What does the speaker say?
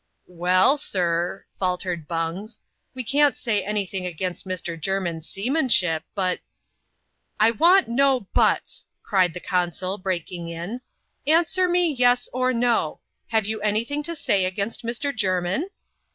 Well, sir, faltered Bungs, " we can't say any thing against [r. Jermin's seamanship, but —"I want no btUs^ cried the consul, breaking in :" answer le yes or no — have you any thing to say against Mr. Jermin